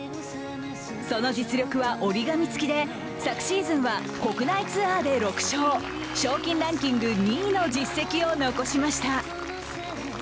その実力は折り紙つきで、昨シーズンは国内ツアーで６勝、賞金ランキング２位の実績を残しました。